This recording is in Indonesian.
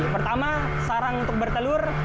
pertama sarang untuk bertelur